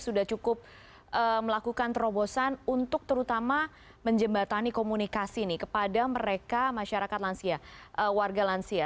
sudah cukup melakukan terobosan untuk terutama menjembatani komunikasi nih kepada mereka masyarakat lansia warga lansia